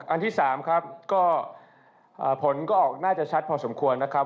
อันที่๓ครับก็ผลก็ออกน่าจะชัดพอสมควรนะครับ